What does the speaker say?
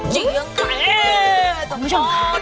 จริงอย่างแบรนด์